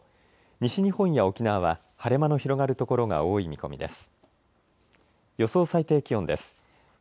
西日本や沖縄は晴れ間の広がるところが多い見込みです。